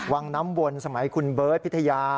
วังน้ำวนสมัยคุณเบิร์ตพิทยา